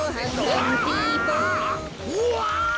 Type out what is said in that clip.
うわ！